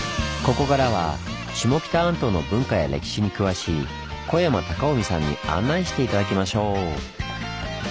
ここからは下北半島の文化や歴史に詳しい小山卓臣さんに案内して頂きましょう！